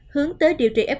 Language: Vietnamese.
hướng tới điều trị f